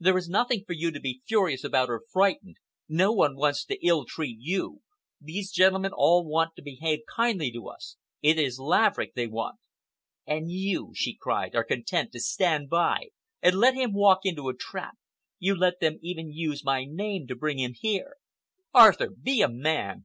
"There is nothing for you to be furious about or frightened. No one wants to ill treat you. These gentlemen all want to behave kindly to us. It is Laverick they want." "And you," she cried, "are content to stand by and let him walk into a trap—you let them even use my name to bring him here! Arthur, be a man!